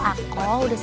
tidak ada masalah